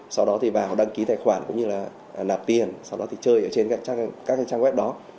sau đó thì bảo đăng ký tài khoản cũng như là nạp tiền sau đó thì chơi ở trên các trang web đó